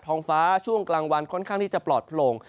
ท้องฟ้าช่วงกลางวันค่อนข้างที่จะปลอดโลง